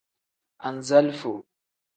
Anzalifo.